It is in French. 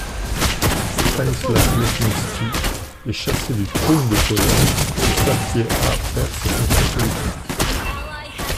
Stanislas Leszczynski, est chassé du trône de Pologne et Sapieha perd ses fonctions politiques.